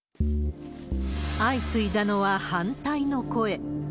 相次いだのは反対の声。